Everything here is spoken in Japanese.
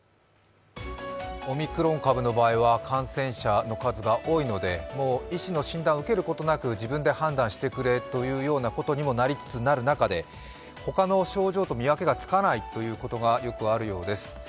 オミクロン株の場合は感染者の数が多いのでもう医師の診断を受けることなく自分で判断してくれというようになりつつなる中で、他の症状と見分けがつかないということが、よくあるようです。